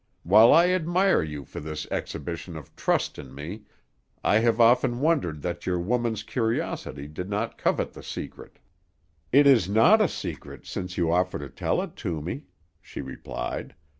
While I admire you for this exhibition of trust in me, I have often wondered that your woman's curiosity did not covet the secret." "It is not a secret since you offer to tell it to me," she replied.